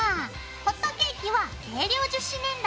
ホットケーキは軽量樹脂粘土。